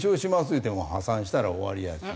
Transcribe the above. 言うても破産したら終わりやし。